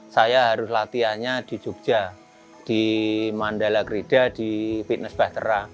saya harus latihannya di jogja di mandala gerida di fitness bahtera